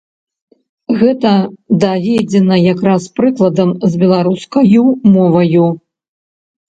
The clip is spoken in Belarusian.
Гэта даведзена якраз прыкладам з беларускаю моваю.